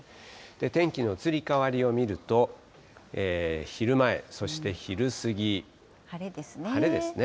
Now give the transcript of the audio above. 天気の移り変わりを見ると、昼前、晴れですね。